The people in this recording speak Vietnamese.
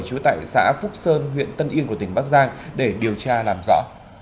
trú tại xã phúc sơn huyện tân yên của tỉnh bắc giang để điều tra làm rõ